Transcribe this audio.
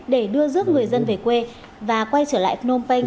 để đưa giúp người dân về quê và quay trở lại phnom penh